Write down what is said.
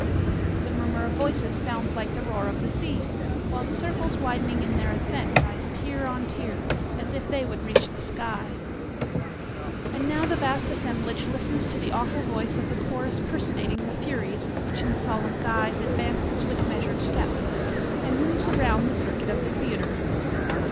The murmur of voices sounds like the roar of the sea, while the circles widening in their ascent rise tier on tier, as if they would reach the sky. And now the vast assemblage listens to the awful voice of the chorus personating the Furies, which in solemn guise advances with measured step, and moves around the circuit of the theatre.